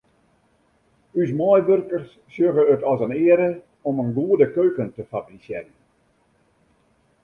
Us meiwurkers sjogge it as in eare om in goede keuken te fabrisearjen.